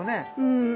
うん。